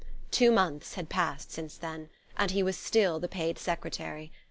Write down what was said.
Two months had passed since then, and he was still the paid secretary.